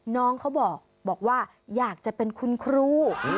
น้องเขาบอกว่าอยากจะเป็นคุณครู